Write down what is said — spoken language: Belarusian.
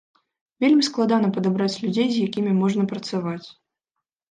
Вельмі складана падабраць людзей, з якімі можна працаваць.